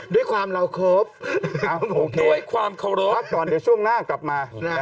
ด้วยความเราครบด้วยความเคารพพักก่อนเดี๋ยวช่วงหน้ากลับมา